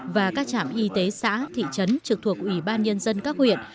và các trạm y tế xã thị trấn trực thuộc ủy ban nhân dân các huyện